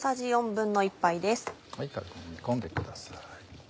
軽くもみ込んでください。